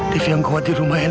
dev yang kuat di rumah enak